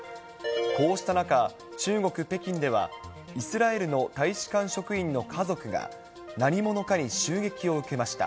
こうした中、中国・北京では、イスラエルの大使館職員の家族が何者かに襲撃を受けました。